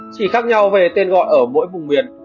chỉ khác nhau về tên gọi ở mỗi vùng miền